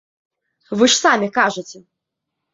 Вы ж самі кажаце.